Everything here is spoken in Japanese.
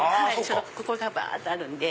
ここがばっとあるんで。